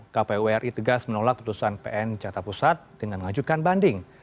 kpu ri tegas menolak putusan pn jatah pusat dengan mengajukan banding